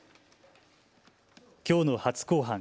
きょうの初公判。